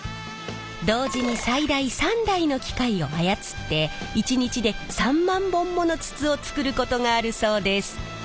同時に最大３台の機械を操って１日で３万本もの筒を作ることがあるそうです。